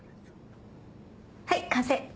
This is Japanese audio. はい完成！